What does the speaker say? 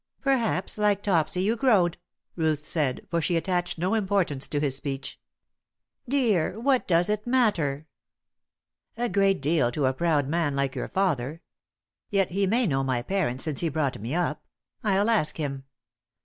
"Perhaps, like Topsy, you growed," Ruth said, for she attached no importance to his speech. "Dear! What does it matter?" "A great deal to a proud man like your father. Yet he may know my parents since he brought me up. I'll ask him."